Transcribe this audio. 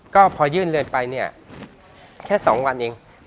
ก็พอยื่นเลยไปเนี่ยแค่๒วันเอง